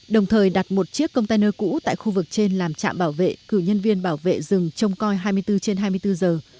đồng thời đặt một chiếc container cũ tại khu vực trên làm trạm bảo vệ cử nhân viên bảo vệ rừng trông coi hai mươi bốn trên hai mươi bốn giờ